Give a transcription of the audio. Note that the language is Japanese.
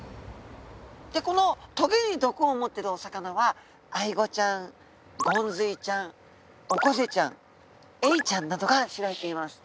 でこの棘に毒を持っているお魚はアイゴちゃんゴンズイちゃんオコゼちゃんエイちゃんなどが知られています。